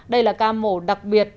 đây là ca mổ đặc biệt